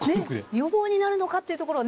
予防になるのかっていうところをね